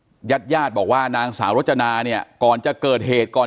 นี้ครับยัดยาดบอกว่านางสาวรถจนาเนี่ยก่อนจะเกิดเหตุก่อน